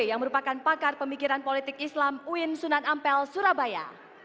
yang merupakan pakar pemikiran politik islam uin sunan ampel surabaya